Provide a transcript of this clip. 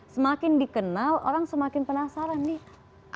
semakin dikenal orang semakin penasaran nih